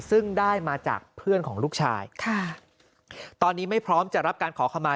ซึ่งได้มาจากเพื่อนของลูกชายค่ะตอนนี้ไม่พร้อมจะรับการขอขมา